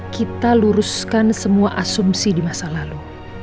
kita luruskan semua asumsi di masa lalu